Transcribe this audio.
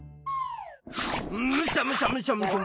むしゃむしゃむしゃむしゃ